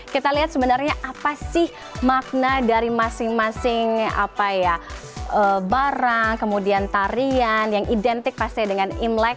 kita lihat sebenarnya apa sih makna dari masing masing barang kemudian tarian yang identik pasti dengan imlek